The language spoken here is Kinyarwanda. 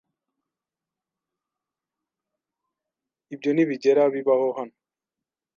Ibyo ntibigera bibaho hano.